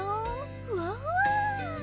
ふわふわ！